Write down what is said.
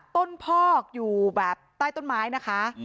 พอกอยู่แบบใต้ต้นไม้นะคะ